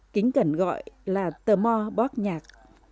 kính cẩn gọi là tờ mò bóp nhạc